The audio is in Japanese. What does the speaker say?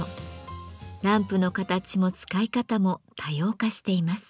ランプの形も使い方も多様化しています。